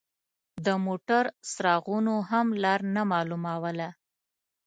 د موټر څراغونو هم لار نه مالوموله.